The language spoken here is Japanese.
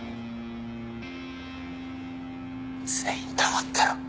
全員黙ってろ。